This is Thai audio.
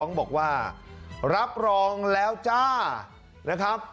ต้องบอกว่ารับรองแล้วจ้า